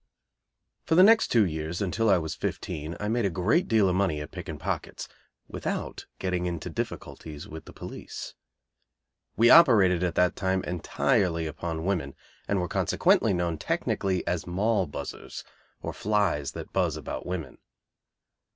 _ For the next two years, until I was fifteen, I made a great deal of money at picking pockets, without getting into difficulties with the police. We operated, at that time, entirely upon women, and were consequently known technically as Moll buzzers or "flies" that "buzz" about women.